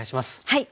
はい。